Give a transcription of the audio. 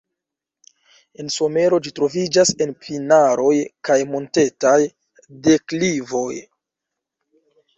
En somero ĝi troviĝas en pinaroj kaj montetaj deklivoj.